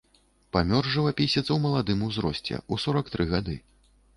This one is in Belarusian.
Памёр жывапісец у маладым узросце, у сорак тры гады.